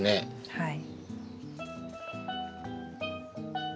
はい。